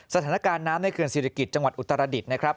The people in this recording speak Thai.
สถานการณ์น้ำในเกิดศีริกิจจังหวัดอุตรดิษฎ์